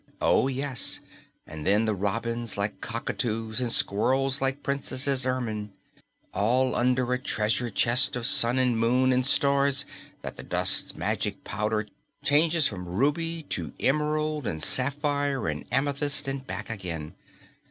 Oh, yes, and then the robins like cockatoos and squirrels like a princess's ermine! All under a treasure chest of Sun and Moon and stars that the dust's magic powder changes from ruby to emerald and sapphire and amethyst and back again.